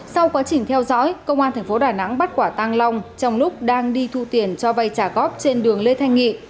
sau quá trình theo dõi công an tp đà nẵng bắt quả tăng long trong lúc đang đi thu tiền cho vay trả góp trên đường lê thanh nghị